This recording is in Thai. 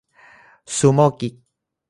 ซูโม่กิ๊ก